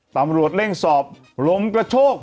ตำรวจเร่งสอบลมกระโชก